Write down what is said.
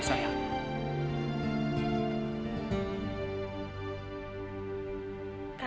i apa satu ob hori caliber sarah seperti gue